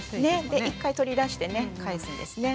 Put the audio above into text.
で一回取り出してね返すんですね。